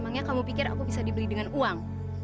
makanya kamu pikir aku bisa dibeli dengan uang